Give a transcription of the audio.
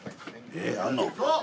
えっあんの？